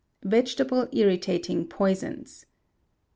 Vegetable Irritating Poisons.